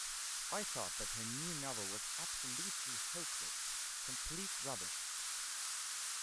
I thought that her new novel was absolutely hopeless. Complete rubbish